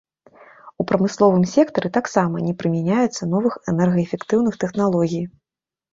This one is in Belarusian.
У прамысловым сектары таксама не прымяняецца новых энергаэфектыўных тэхналогій.